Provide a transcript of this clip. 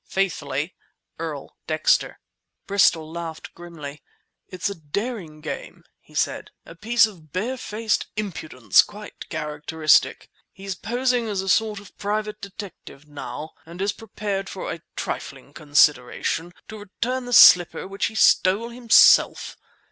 Faithfully, EARL DEXTER Bristol laughed grimly. "It's a daring game," he said; "a piece of barefaced impudence quite characteristic. "He's posing as a sort of private detective now, and is prepared for a trifling consideration to return the slipper which he stole himself!